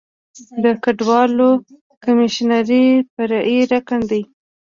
د کډوالو کمیشنري فرعي رکن دی.